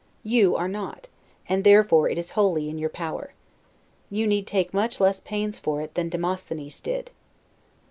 You are not; and therefore it is wholly in your power. You need take much less pains for it than Demosthenes did.